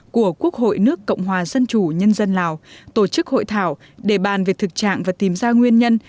của quốc hội nước cộng hòa dân chủ nhân dân lào tổ chức hội thảo để bàn về thực trạng và tìm ra nguyên nhân